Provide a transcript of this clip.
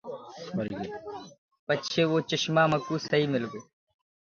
پچهي وو چشمآ مڪوُ سئي مِل گو۔